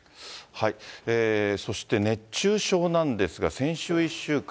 そして熱中症なんですが、先週１週間。